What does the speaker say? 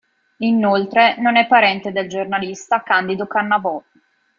Inoltre non è parente del giornalista Candido Cannavò.